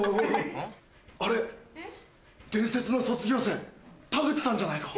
伝説の卒業生タグチさんじゃないか？